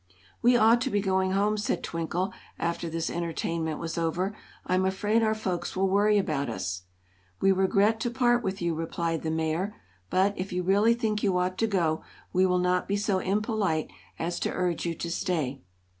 "We ought to be going home," said Twinkle, after this entertainment was over. "I'm afraid our folks will worry about us." "We regret to part with you," replied the Mayor; "but, if you really think you ought to go, we will not be so impolite as to urge you to stay."